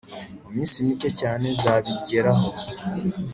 mu minsi mike cyane zabbijyeraho